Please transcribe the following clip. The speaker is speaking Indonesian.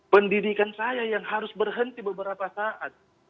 pendidikan saya yang harus berhenti beberapa saat